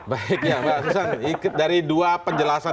baik ya mbak susan dari dua penjelasan